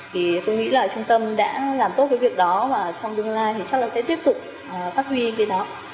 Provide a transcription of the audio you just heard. tôi nghĩ trung tâm đã làm tốt việc đó và trong tương lai sẽ tiếp tục phát huy cái đó